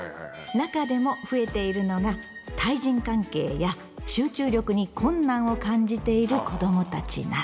中でも増えているのが対人関係や集中力に困難を感じている子どもたちなど。